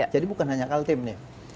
jadi bukan hanya kaltim nih